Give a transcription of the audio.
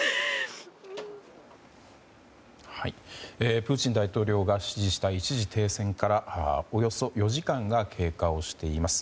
プーチン大統領が指示した一時停戦からおよそ４時間が経過をしています。